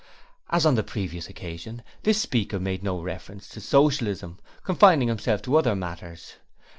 As on the previous occasion, this speaker made no reference to Socialism, confining himself to other matters.